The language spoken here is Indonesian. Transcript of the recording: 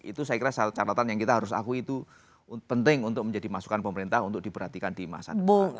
itu saya kira catatan yang kita harus akui itu penting untuk menjadi masukan pemerintah untuk diperhatikan di masa depan